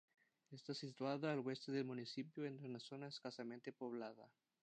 Está situada al oeste del municipio, en una zona escasamente poblada.